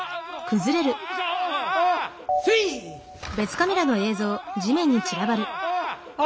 ああ！